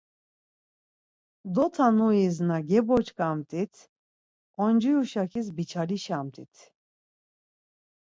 Dotanuyiz na geboç̌ǩamt̆it onciyu şakiz biçalişamt̆it.